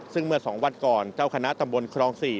ซึ่งเมื่อ๒วันก่อนเจ้าคณะตำบลครอง๔